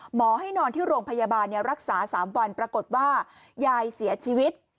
หมอให้นอนที่โรงพยาบาลรักษา๓วันปรากฏว่ายายเสียชีวิต